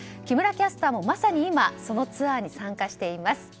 木村キャスターもまさに今、そのツアーに参加しています。